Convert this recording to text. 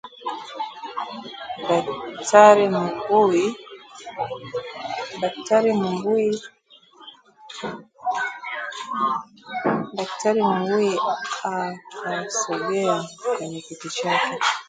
Daktari Mumbui akasogea kwenye kiti chake